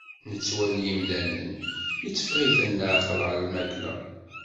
Nettwali imdanen, itteffeɣ-iten leɛqel ɣer lmakla.